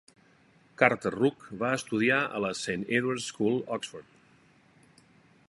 Carter-Ruck va estudiar a la Saint Edward's School, Oxford.